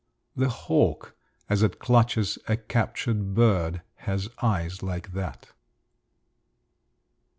The hawk, as it clutches a captured bird, has eyes like that.